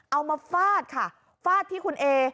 มาฟาดค่ะฟาดที่คุณเอ